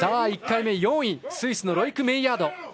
１回目４位スイスのロイク・メイヤード。